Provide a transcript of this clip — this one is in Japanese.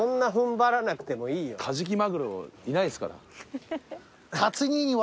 カジキマグロいないですから。